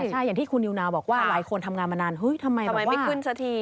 ใช่อย่างที่คุณนิวนาวบอกว่าหลายคนทำงานมานานเฮ้ยทำไมไม่ขึ้นสักที